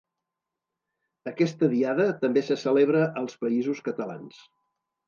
Aquesta diada també se celebra als Països Catalans.